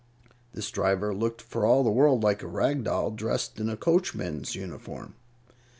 This driver looked for all the world like a rag doll dressed in a coachman's uniform.